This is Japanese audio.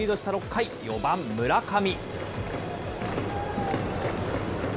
６回、４番村上。